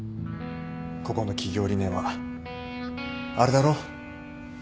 ここの企業理念はあれだろ？